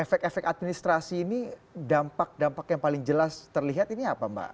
efek efek administrasi ini dampak dampak yang paling jelas terlihat ini apa mbak